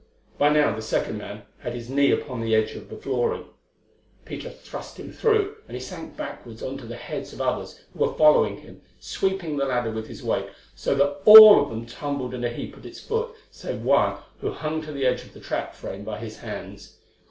By now the second man had his knee upon the edge of flooring. Peter thrust him through, and he sank backwards on to the heads of others who were following him, sweeping the ladder with his weight, so that all of them tumbled in a heap at its foot, save one who hung to the edge of the trap frame by his hands.